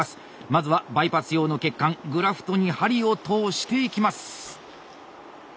まずはバイパス用の血管グラフトに針を通していきます。